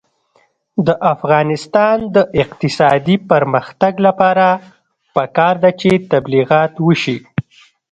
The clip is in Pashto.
د افغانستان د اقتصادي پرمختګ لپاره پکار ده چې تبلیغات وشي.